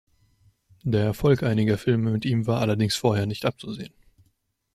Der Erfolg einiger Filme mit ihm war allerdings vorher nicht abzusehen.